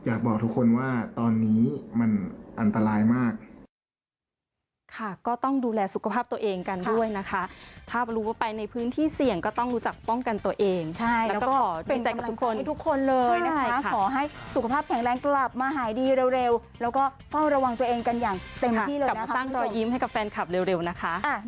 อยากบอกทุกคนว่าตอนนี้มันอันตรายมาก